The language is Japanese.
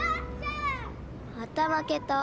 またまけた。